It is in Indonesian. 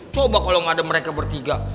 coba kalo gak ada mereka bertiga